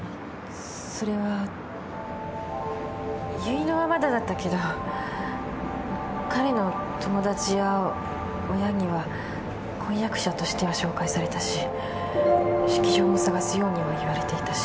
それは結納はまだだったけど彼の友達や親には婚約者としては紹介されたし式場も探すようにも言われていたし。